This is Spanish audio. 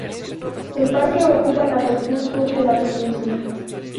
El parque ocupa la porción sur de la península.